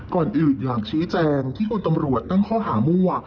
ก่อนอื่นอยากชี้แจงที่คุณตำรวจตั้งข้อหามั่ว